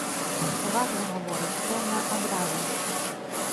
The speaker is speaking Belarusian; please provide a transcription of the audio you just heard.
Важна гаворыць, пэўна, адразу.